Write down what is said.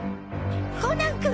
コナン君！